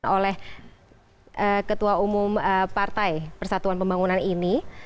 oleh ketua umum partai persatuan pembangunan ini